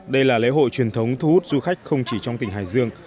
đây là lễ hội truyền thống thu hút du khách không chỉ trong tỉnh hải dương